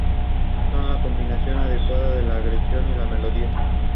Su elección fue apoyada por Alcide de Gasperi, fundador del partido.